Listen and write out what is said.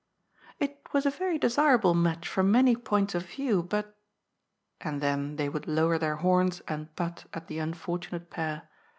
^*It was a very desirable match from many points of view, but" — ^and then they would lower their horns and butt at the unfortunate pair.